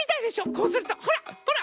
こうするとほらほら！